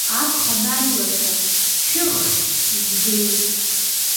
Аԥханагьлацәа, шәыххь згеит!